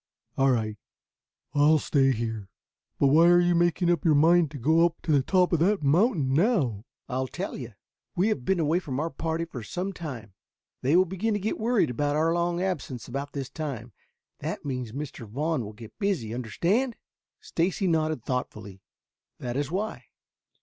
All right; I'll stay here. But why are you making up your mind to go up to the top of that mountain now?" "I'll tell you. We have been away from our party for some time. They will begin to get worried about our long absence about this time. That means that Mr. Vaughn will get busy. Understand?" Stacy nodded thoughtfully. "That is why."